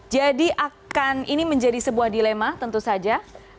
jadi akan ini menjadi sebuah dilema tentu saja